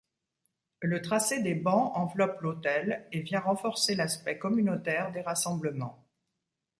Le tracé des bancs enveloppe l'autel et vient renforcer l'aspect communautaire des rassemblements.